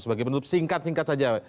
sebagai penutup singkat singkat saja